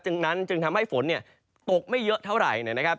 นั้นจึงทำให้ฝนตกไม่เยอะเท่าไหร่นะครับ